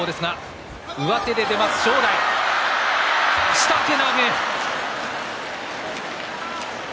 下手投げ。